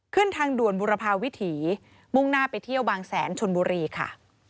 ทางด่วนบุรพาวิถีมุ่งหน้าไปเที่ยวบางแสนชนบุรีค่ะ